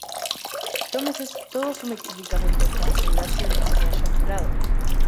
Tómese todo su medicamento para asegurarse de que se haya curado.•